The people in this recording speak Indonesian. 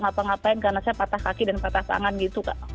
ngapa ngapain karena saya patah kaki dan patah tangan gitu kak